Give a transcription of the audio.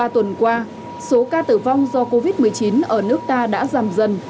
ba tuần qua số ca tử vong do covid một mươi chín ở nước ta đã giảm dần